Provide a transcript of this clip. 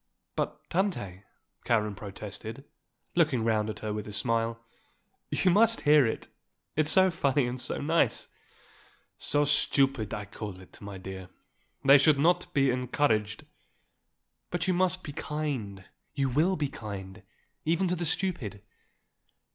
"But, Tante," Karen protested, looking round at her with a smile, "you must hear it; it is so funny and so nice." "So stupid I call it, my dear. They should not be encouraged." "But you must be kind, you will be kind, even to the stupid.